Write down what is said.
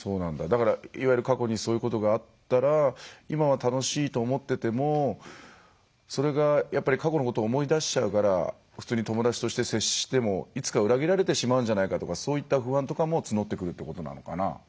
だからいわゆる過去にそういうことがあったら今は楽しいと思っててもそれがやっぱり過去のことを思い出しちゃうから普通に友達として接してもいつか裏切られてしまうんじゃないかとかそういった不安とかも募ってくるってことなのかな？